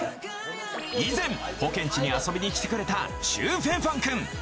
以前「ポケんち」に遊びに来てくれたシュウフェンファンくん。